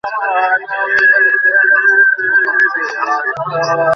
আমি যা বলি সেখানে নতুন করে বাসিয়ে দাও।